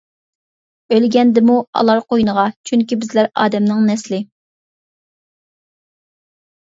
ئۆلگەندىمۇ ئالار قوينىغا چۈنكى بىزلەر ئادەمنىڭ نەسلى.